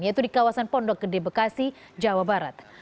yaitu di kawasan pondok gede bekasi jawa barat